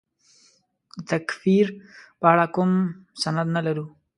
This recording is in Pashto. د تکفیر په اړه کوم سند نه لرو.